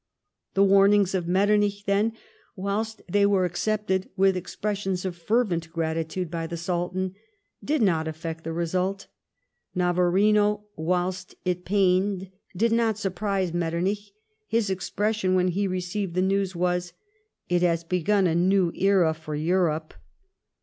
The warnings of Metternich, then, ■whilst they were accepted with expressions of fervent gratitude by the Sultan, did not affect the result. Navarino, whilst it pained, did not surprise Metternich. His expression, when he received the news was :" It has begun a new era for Europe."